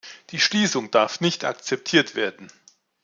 Die Schließung darf nicht akzeptiert werden.